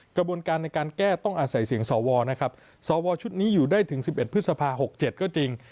กระบวนการในการแก้ต้องอาศัยเสียงสวนะครับสวชุดนี้อยู่ได้ถึง๑๑พฤษภา๖๗ก็จริง